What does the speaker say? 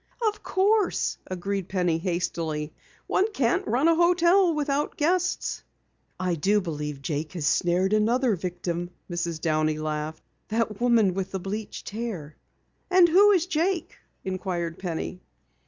"Of course," agreed Penny hastily. "One can't run a hotel without guests." "I do believe Jake has snared another victim," Mrs. Downey laughed. "That woman with the bleached hair." "And who is Jake?" inquired Penny.